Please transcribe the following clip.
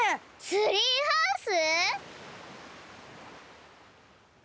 ツリーハウス！？